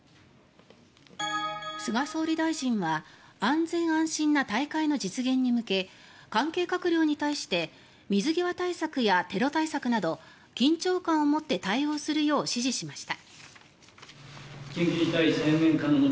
菅総理大臣は安全安心な大会の実現に向け関係閣僚に対して水際対策やテロ対策など緊張感を持って対応するよう指示しました。